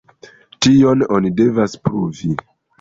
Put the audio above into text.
Tion oni devas pruvi.